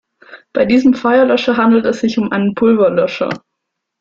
Bei diesem Feuerlöscher handelt es sich um einen Pulverlöscher.